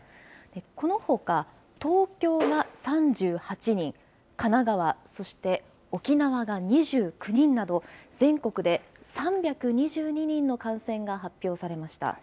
このほか、東京が３８人、神奈川、そして沖縄が２９人など、全国で３２２人の感染が発表されました。